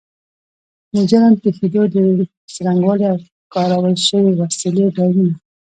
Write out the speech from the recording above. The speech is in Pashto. د جرم پیښېدو څرنګوالی او کارول شوې وسلې ډولونه